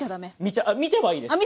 見てはいいです。